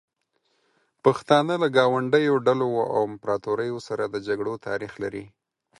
پښتانه له ګاونډیو ډلو او امپراتوریو سره د جګړو تاریخ لري.